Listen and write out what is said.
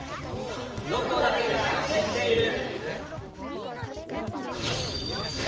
「ロコだけが知っている」。